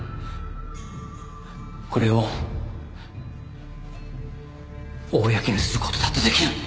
これを公にする事だって出来る！